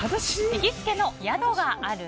行きつけの宿がある？